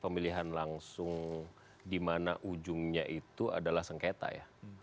pemilihan langsung di mana ujungnya itu adalah sengketa ya